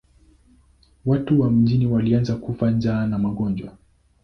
Watu wa mjini walianza kufa njaa na magonjwa.